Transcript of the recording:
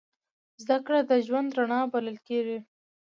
زدهکړه د ژوند رڼا بلل کېږي.